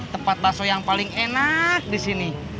tempat bakso yang paling enak di sini